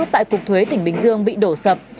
tại cục thuế tỉnh bình dương bị đổ sập